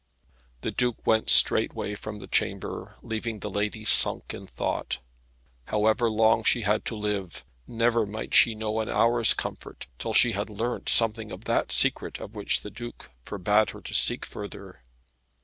The Duke went straightway from the chamber, leaving the lady sunk in thought. However long she had to live, never might she know an hour's comfort, till she had learnt something of that secret of which the Duke forbade her to seek further.